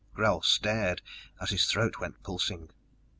_ Gral stared, as his throat went pulsing.